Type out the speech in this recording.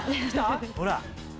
ほら！